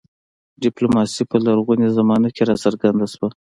ډیپلوماسي په لرغونې زمانه کې راڅرګنده شوه